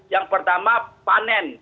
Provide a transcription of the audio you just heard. yang pertama panen